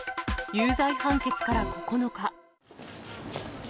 有罪判決から９日。